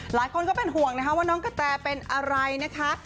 หลายคนก็เป็นห่วงนะคะว่าน้องกะแตเป็นอะไรนะคะ